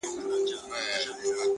o د تل لپاره؛